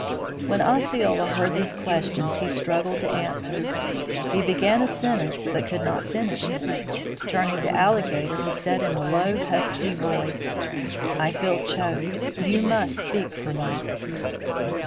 When Osceola heard these questions he struggled to answer. He began a sentence but could not finish it. Turning to Alligator he said in a low husky voice: "I feel choked. You must speak for me."